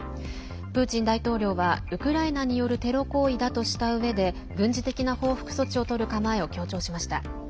プーチン大統領はウクライナによるテロ行為だとしたうえで軍事的な報復措置をとる構えを強調しました。